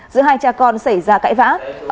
giữa hai cha con xảy ra cãi vã